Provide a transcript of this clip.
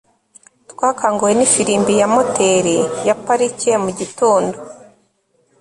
twakanguwe nifirimbi ya moteri ya parike mugitondo